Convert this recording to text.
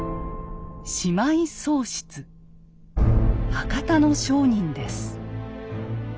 博多の商人です。